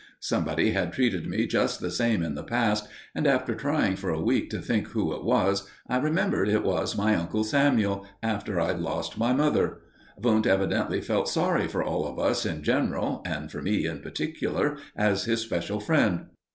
Somebody had treated me just the same in the past, and, after trying for a week to think who it was, I remembered it was my Uncle Samuel, after I'd lost my mother. Wundt evidently felt sorry for all of us in general and for me in particular as his special friend.